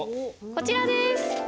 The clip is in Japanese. こちらです。